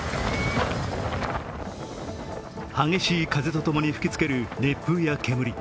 激しい風と共に吹きつける熱風や煙。